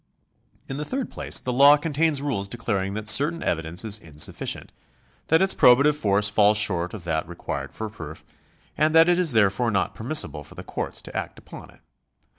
— In the third place the law con tains rules declaring that certain evidence is insufficient, that its probative force falls short of that required for proof, and that it is therefore not permissible for the courts to act upon it.